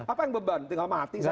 apa yang beban tinggal mati